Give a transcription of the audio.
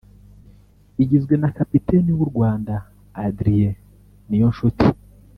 igizwe na Kapiteni w’u Rwanda Adrien Niyonshuti